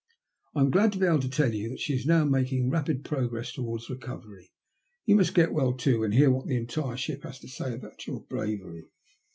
"I am glad to be able to tell you that she is now making rapid progress towards recovery. You must get well too, and hear what the entire ship has to say about your bravery."